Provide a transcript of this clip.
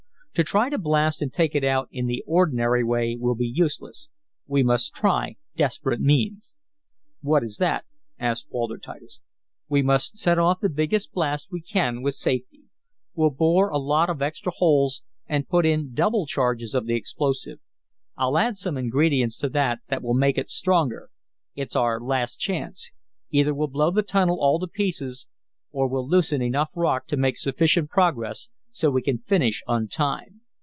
To try to blast and take it out in the ordinary way will be useless. We must try desperate means." "What is that?" asked Walter Titus. "We must set off the biggest blast we can with safety. We'll bore a lot of extra holes, and put in double charges of the explosive. I'll add some ingredients to it that will make it stronger. It's our last chance. Either we'll blow the tunnel all to pieces, or we'll loosen enough rock to make sufficient progress so we can finish on time.